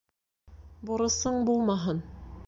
Бурысың булмаһын.